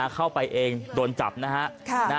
เข้าไปเองโดนจับนะฮะ